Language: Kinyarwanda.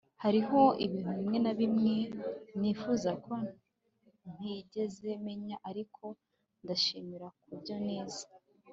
hariho ibintu bimwe na bimwe nifuza ko ntigeze menya, ariko ndashimira ku byo nize